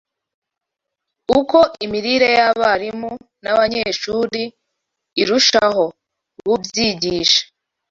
Uko imirire y’abarimu n’abanyeshuri irushaho bubyigisha